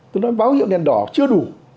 tôi nói báo hiệu đèn đỏ chưa đủ